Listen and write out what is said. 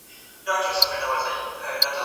که نصاب زوړ وي نو د ټولني اړتیاوې نسي پوره کولای.